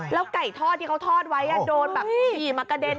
แล้วไก่ทอดที่เขาทอดไว้โดนอีมกระเด้น